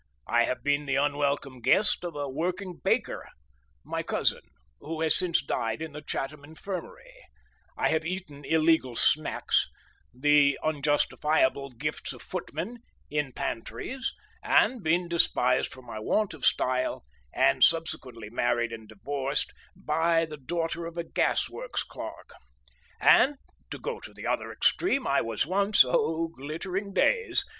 I have been the unwelcome guest of a working baker, my cousin, who has since died in the Chatham infirmary; I have eaten illegal snacks—the unjustifiable gifts of footmen—in pantries, and been despised for my want of style (and subsequently married and divorced) by the daughter of a gasworks clerk; and—to go to my other extreme—I was once—oh, glittering days!